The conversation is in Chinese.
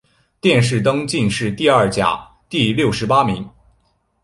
殿试登进士第二甲第六十八名。